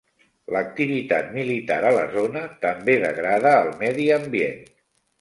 L'activitat militar a la zona també degrada el medi ambient.